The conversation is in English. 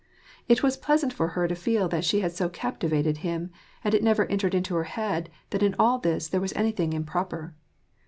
It was pleasant for her to feel that she had so captivated him, and it never entered her head that in all this there was anything improper.